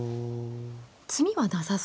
詰みはなさそうという。